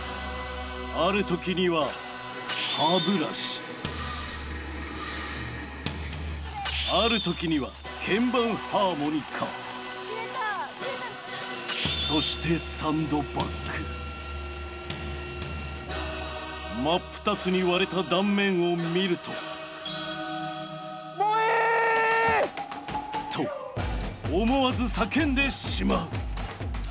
ある時にはある時にはそして真っ二つに割れた断面を見ると。と思わず叫んでしまう。